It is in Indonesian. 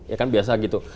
ya kan biasa gitu